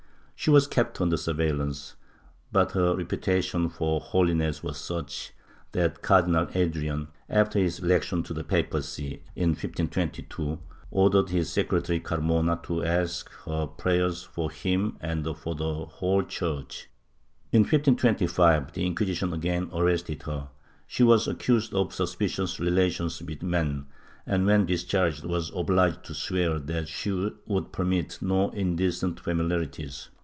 She was kept under surveillance, but her reputation for holiness was such that Cardinal Adrian, after his election to the papacy, in 1522, ordered his secretary Carmona to ask her prayers for him and for the wdiole Church. In 1525 the Inquisition again arrested her; she was accused of suspicious relations with men and, when discharged, was obliged to swear that she would permit no indecent familiarities.